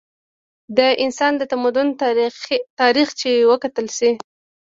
د انسان د تمدن تاریخ چې وکتلے شي